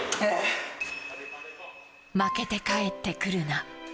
負けて帰ってくるな。